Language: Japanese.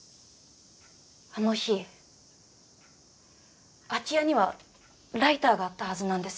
あの日空き家にはライターがあったはずなんです。